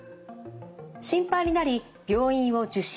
心配になり病院を受診。